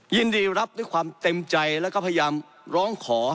ยินดีรับด้วยความเต็มใจแล้วก็พยายามร้องขอ